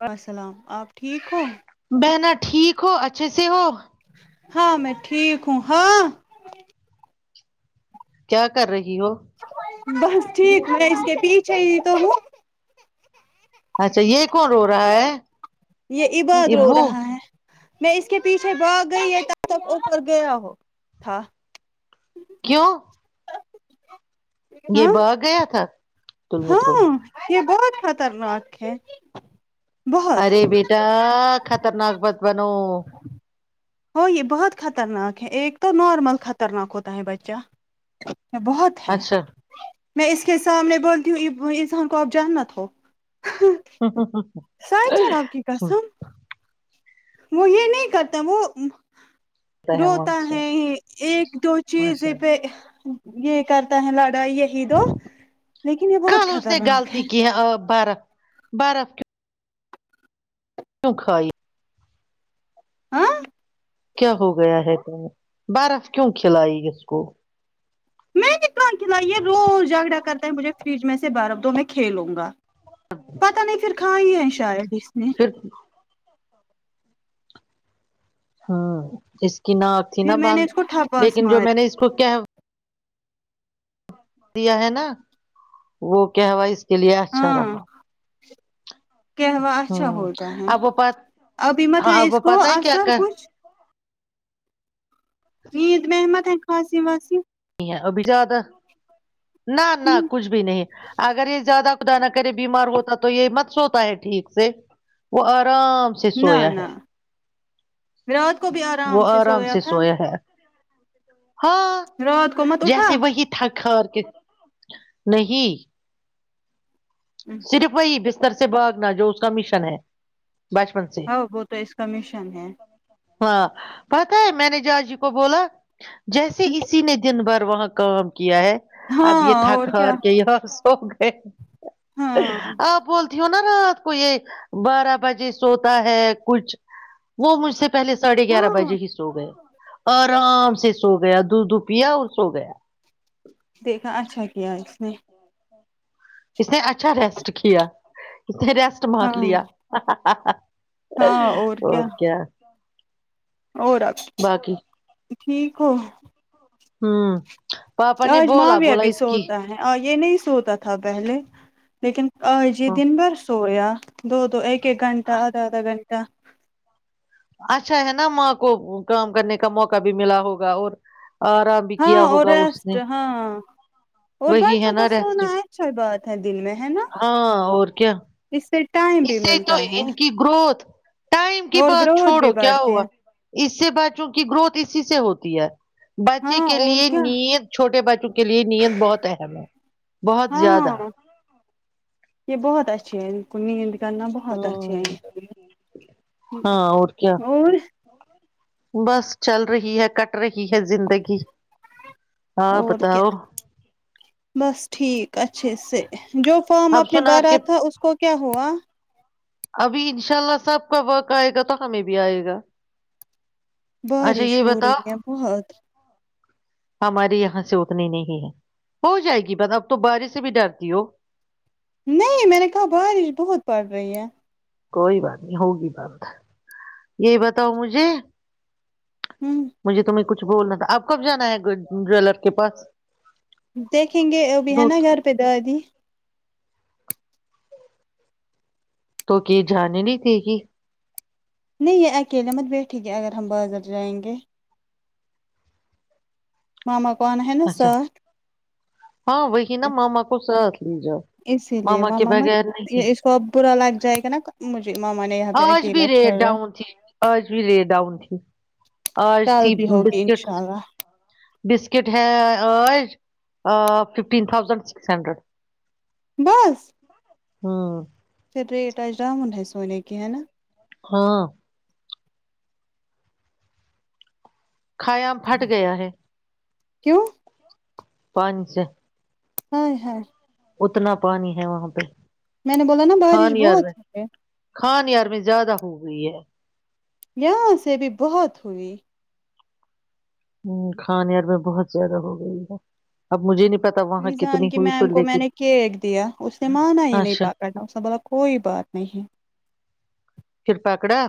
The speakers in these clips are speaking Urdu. و السلام آپ ٹھیک ہو بہنا ٹھیک ہو اچھے سے ہو ہاں میں ٹھیک ہوں ہاں کیا کر رہی ہو بس ٹھیک میں اسس کے پی چ تو اچھا یہ کون ہو رہا ہے یہ عباد رو ابو رہا ہے میں اس کے پیچھے بھاگ گئی ہے تب تک اوپر گیا ہو تھا کیوں یہ بہ گیا تھا تل مترو ہاں ہاں یہ بہت خطر ن آکھے ارے بیٹا خطرناک بت بنو ہو یہ بہت خطرناک ہے ایک تو نارمل خطرناک ہوتا ہے بچہ بہت ہے اچھا میں اس کے سامنے بولتیوں انسان کوو آف جانت ہو ا ا سائے چ نب کی قسم وہ یہ نہیں کرتا وہ روتا ماشاء ہے ایک دو چیز اللہ پہ یہ کرتا ہے لاڑ یہی دو لیکن یہ بہت کل اس نے خطرناک غلطی ہے کی بارہ برف کی کیوں کھائی ہاں کیا ہو گیا ہے تو بارف کیوں کھلائی اس کو میں کتنا کھلائیے روز جھگڑا کرتا ہے مجھے فریج میں سے بارف دو میں کھیلوں گا پت نہیں پھر کھاائیے شا ہے بیس میں پھر ہاں اس کی نہ تھی نہا پھر میں نے باندھ اس کو تھپاس لیکن جو ماری میں نے اس کو کیا دیا ہے نا وہ کیا ہوا اس کے لیے اچھا ہاں رہا کہ ہوا اچھا ہوں ہوتا ہے اب وہ پت ابیمت ہے ہاں وہ اس کو پتہ ہے اور کیا سر کرنی کچھ عید م احمد ہے کھانسی واسی ابھی جد نہ نہ کچھ بھی نہیں اگر یہ زیادہ دا نہ کرے بیمار ہوتا تو یہ مت سوتا ہے ٹھیک سے وہ اور آرام سے نہ سویا نہ ہے رات کو بھی وہ آرام سے تھا سویا ہے ہاں رات کو مت اٹھا جیسے وہی تھکر نہیں صرف وہی سے بھاگنا جو اس کا مشن ہے بچپن سے ہاں وہ تو اس کا مشن ہے ہاں پتا ہے میں نے جا جی کو بولا جیسے اسی نے دن بھر وہاں کا کیا ہے اب یہ ہاں اور تھاک ہ کیا کہ ہو گئے ہاں آ بولتی ہو نا رات کو یہ بارہ بجے سوتا ہے کچھ وہ مجھ سے پہلےاڑھے گیارہ ہاں بجے ہی سو گئے آرام سے سو گیا د دھ پیا وہ سو گیا دیکھا اچھا کیا اس نے اس نے اچھا ریسٹ کیا اے ریسٹ مار ہاں لیا ہ ہاں اور کیا اور ر آپ باقی ٹھیک ہو ہوں پاپا نے آج م بولا بھییاب بولا اس کی سوتا ہے اور یہ نہیں س ہوتا تھا پہلے لیکن ا جی ہاں دن بھر سوریا دو دو ایک ایک گھٹا آدھ آدا گھٹا کتا اچھا ہے نا ماں کو کام کرنے کا موقع بھی ملا ہوگا اور آرام بھی ہاں کیا اور ہوگا اس نے ریسٹ ہاں اور وہی ہے بچوں کو نا ریسٹ سونا اچا بات ہے دن میں ہے نا ہاں اور کیا اس سے ٹائم اس بھی سے تو ملتا ہے ان کی گروتھ ٹائم کی اور بات گروتھ بھی چھوڑو کیا بڑھتے ہوا ہیں اس سے بچوں کی گروتھ اسی سے ہوتی ہے بچے ہاں کے اور لیے کیا نید چھوٹے بچے کے لیے نیت بہت اہم ہے بہت زیادہ ہاں یہ بہت اچھے ہیں ان کو نیند کرنا بہت اچھے ہوں ہیں ہاں اور کیا اور بس چل رہی ہے کٹ رہی ہے زندگی ہاں اور بتاؤ کیا بس ٹھیک اچھے سے جو فارم اب اپنے سنار بھرا کے تھا اس کو کیا ہوا ابھی انشاء اللہ سب کا وقت آئے گا تو ہمیں بھی آئے گا اچھا بارش یہ ہو بتا رہی ہے بہت ہماراری یہاں سے اتنی نہیں ہے ہو جائے گی بات اب تو بارش سے بھی ڈرتی ہو نہیں میں نے کہا بارش بہت پڑ رہی ہے کوئی بات نہیں ہوگی بات یہی بتاؤ مجھے ہوں مجھے تمیں کچھ بولنا تھا اب کب جانا ہے جیلر کے پاس دیکھیں گے اب ہے دو نا گھر پہ دادی تو کی جانانی نہیں تھی کہ نہیں یہ اکیلے مت بیٹھے گی اگر ہم بازر جائیں گے مما پان ہے نہ اچھا ساات ہاں وہ نا ماما کو ست اسی لیے ماماا نہیں یہ اس کو اب برا لگ جائے گا نا مجھے ماما نے یہاں پہ آج بھی اکیلا ری چھوڑا ڈاؤن تھی آج بھی ری ڈاؤن تھی آج کل تھی بھی ہوگی بسکٹ انشاء اللہ بسکٹ آج ففٹین تھاؤزنڈ سکس ہنڈریڈ بس ہوں پھر ریٹاجرامن ہے سونے کے کہ نا ہاں کھایا پٹ گیا ہے کیوں پانچ ہاں ہاں اتنا پانی ہے وہاں پہ میں نے بولا نا بارش بہت ہے کان یار میں زیادہ ہو گئی ہے یہاں سے بھی بہت ہوئی ہ کھانار میں بہت زیادہ ہو گئی ہے اب مجھے نہیں پتا وہاں ریضان کتنی کی ہوئی تو میم کو میں لیکن نے کیک دیا اس نے مانا ہی نہیں اچھا پاا تھا اس نے بولا کوئی بات نہیں شرپا کڑا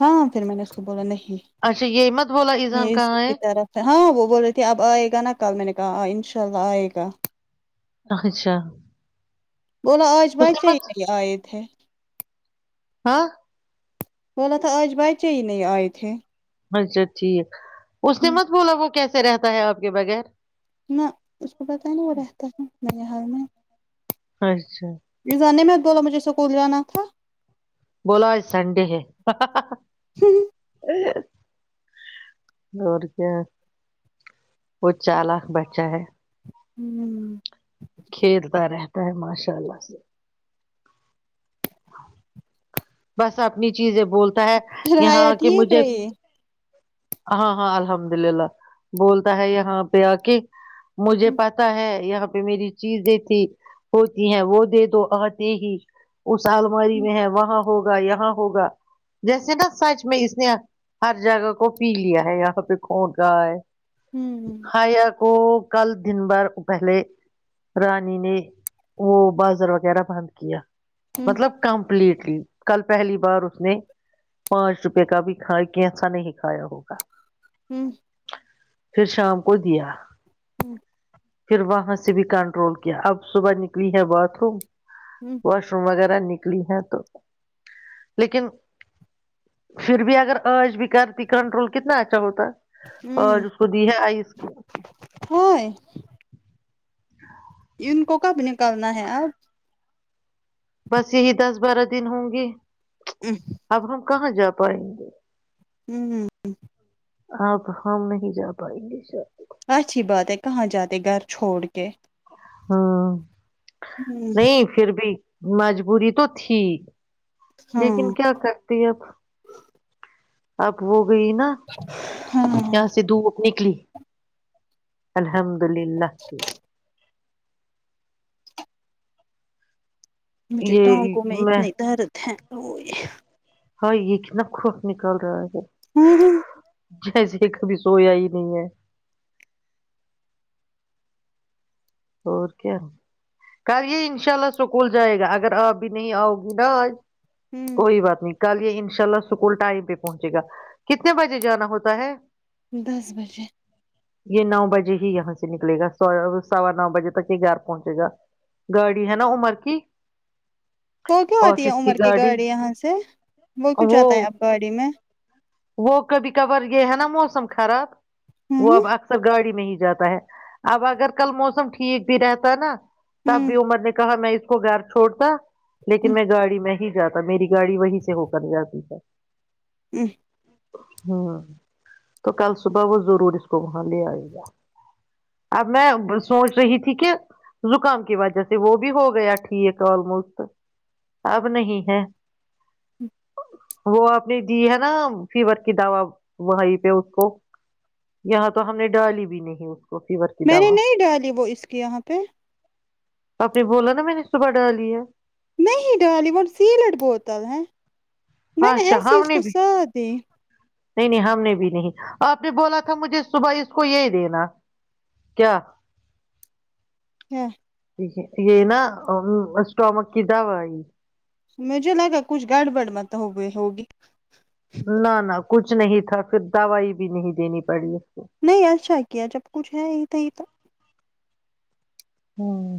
ہاں پھر میں نے بولا نہیں اچھا یہ مت بولا ایزان یہ اس کہاں ہے کی طرف ہے ہاں وہ بول رہی تھی اب آئے گا نا کل میں نے کہا ان شاء اللہ آئے گا اچھا بولاو آج اس بچ نے ہی مت نہیں آئے تھے ہاں بولا تھا آج بچے ہی نہیں آئے تھے اچھا ٹھیک اس نے ہوں مت بولا وہ کیسے رہتا ہے آپ کے بغیر نہ اس کو پتا ہی نہیں وہ رہتا ہے بار میں اچھا ج جانم اقدلہ مجھے اسکول جانا تھا بولاو آج سنڈے ہے ہی اور کیا وہ چار لاکھ بچہ ہے ہوں کھیلتا رہتا ہے ماشاء اللہ سے بس اپنی چیزیں بول ہے پھر حیا یہاں کہ ٹھیک مجھے رہی ہاں ہاں الحمد للہ بولتا ہے یہاں پہ آ کے مجھے ہوں پتا ہے یہاں پہ میری چیز دیتی ہوتی ہیں وہ دے دو آتے ہی اس آ الماری ہوں میں ہے وہاں ہوگا یہاں ہوگا جیسے نا سچ میں اس نے ہر جگہ کو پی لیا ہے یہاں پہ کھون رہا ہے ہوں ہاں کو کل دن بھر پہلے رانی نے وہ بازر وغیرہ بند کیا ہوں مطلب کمپلیٹ کل پہلی بار اس نے پانچ روپے کا بھی کھا کی ایسا نہیں ھ ہوگا ہوں پھر شام کو دیا ہوں پھر وہاں سے بھی کنٹرول کیا اب صبح نکلی ہے باتھ روم ہوں واش روم وغیرہ نکلی ہے تو لیکن پھر بھی اگر آج بھی کرتی کنٹرول کتنا اچھا ہوتا اور ہوں اس کو دی ہے آئس کریم ہائے ان کو کب نکالنا ہے اب بس یہی دس بارہ دن ہوں گے اب کہاں جا پائیں گے ہوں ہ ہ آپ ہم نہیں جا پائیں گے سا اچھی بات ہے کہاں جاتے گھر چھوڑ کے ہاں ہوں نہیں پھر بھی مجبوری تو تھی ہاں لیکن کیا کرتی اب اب وہ گئی نا یا ہاں س دوو نکلی الحمد عبد للہ حافظ مجھے ٹانگوں میں اتنے درد ہے ہاں یہ کتنا خوف نکل رہا ہے ہ جیسے کبھی سویا ہی نہیں ہے اور کیا کر یہ ان شاء اللہ سکول جائے گا اگر آپ بھی نہیں آؤ گی نا آج ہوں کوئی بات نہیں کل یہ ان شاء اللہ اسکول ٹائم پہ پہنچے گا کتنے بجے جانا ہوتا ہے دس بجے یہ نو بجے ہی یہاں سے نکلے گا س سوا نو بجے تک ہی گھر پہنچے گا گاڑی ہے نا عمر کی وہ کیوں آتی ہے عمر کی گاڑی یہاں سے وہ کیوں چاہتا ہے آپ گاڑی میں وہ کبھی کبار یہ ہے نا موسم خراب ہوں وہ اب اکثر گاڑی میں ہی جاتا ہے اب اگر کل موسم ٹھیک بھی رہتا ہے نا تب ہوں بھی عمر نے کہا میں اس کو گھر چھوڑتا ہوں لیکن میں گاڑی میں ہی جاتا میری گاڑی وہی سے ہو کر جاتی تھا [unintelligible] ہ تو کل صبح وہ ضرور اس کو وہاں لے آئے گا اب میں سوچ رہی تھی کہ زکام کی وجہ سے وہ بھی ہو گیا ٹھیک آلموسٹ اب نہیں ہے وہ آپ نے دی ہے نا فیور کی دوا وہیں پہ اس کو یہاں تو ہم نے ڈالی بھی نہیں کو فیور کی میں نے دوا نہیں ڈالی وہ اس کے یہاں پہ آپ نے بولا نا میں نے صبح ڈالی ہے نہیں ڈالی وہ سیلڈ بوتل ہیں میں نے اچھا ایسی ہم چیز نے کو بھی سلا دی نہیں نہیں ہم نے بھی نہیں آپ نے بولا تھا مجھے صبح اس کو یہی دینا کیا ہاں یہ ن اسٹامک و یہ مجھے لگا کچھ گڑبڑ مت ہو گ ہوگی نہ نہ کچھ نہیں تھا پھر دوائی بھی نہیں دینی پڑی کو نہیں ایسا کیا جب کچھ ہے یہ ت ہی تو ہوں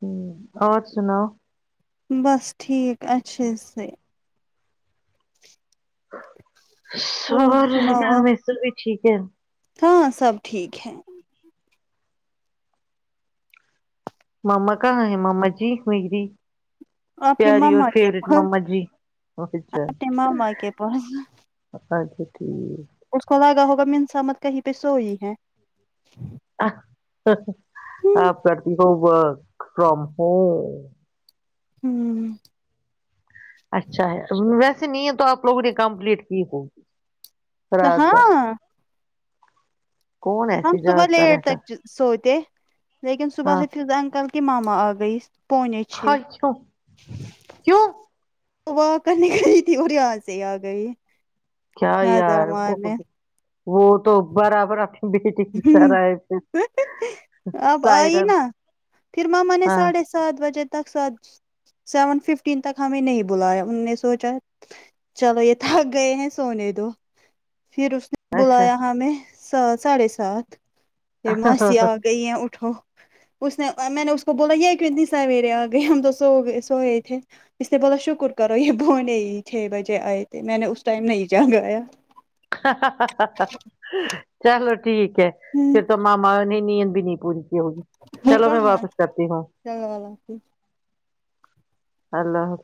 ہ اور سناؤ بس ٹھیک اچھا سے ہ اور سر سناؤ گھر آپ میںشر بھی ٹھیک ہے ہاں سب ٹھیک ہے مما کا ہے مما ج مکری اپنے ماما کے بول جی اچھا اپنے ماما کے بول بدت اس کو زیادہ ہو انسامت کا ہی پہسوئی ہے ا آپ کرتی ہو ورک فرم ہوم ہوں اچھا ویس ایے نہیں ہے تو آپ لوگ نے کمپلیٹ کی ہوگی رات بھر ہاں کون ہم ایسے صبح جاگتا لیٹ رہتا تک سوتے لیکن صبح حفظ انکل کی ماما آ گئیس خچو کیوں واہ کرنے گئی تھی اور ریااں سے ہی آ گئی کیا نظر یار کوک مارنے وہ تو برابر آ ہ اب آئی سائرن نا پھر ماما نے ہاں ساڑھے سات بجے تک سات سیون ففٹین تک ہمیں نہیں بلایا ان نے سوچا چلو یہ تھک گئے ہیں سونے دو پھر اس نے اچھا بلایا ہ ہمیں س ساھے سو ساتھ پھر ماسی آ گئی ہیں اٹھو اس نے میں نے اس کو بولا یہ کہ اتنی سویرے آ گئے ہم تو سو گئے سوئے تھے اس نے بولا شکر کرو یہ بونے ہی چھ بجے آئے تھے میں نے اس ٹائم نہیں جگایا چلو ٹھیک ہے پھر تو مامانی نیند بھی نہیں پوری ہوگی چلو میں کہاں واپس کرتی ہوں چلو اللہ حافظ اللو